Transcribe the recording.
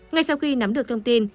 ngay sau khi nắm được thông tin